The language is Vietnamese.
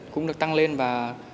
cũng được tăng lên và